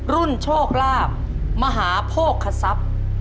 รุ่นโชคลาบมหาโภคศัพท์